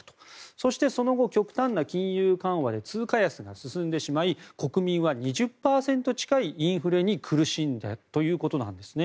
そして、その後極端な金融緩和で通貨安が進んでしまい国民は２０％近いインフレに苦しんだということなんですね。